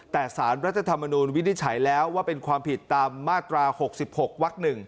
แต่สารรัฐธรรมนูลวินิจฉัยแล้วว่าเป็นความผิดตามมาตรา๖๖วัก๑